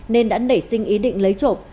nên đã nảy sinh ý định lấy trộm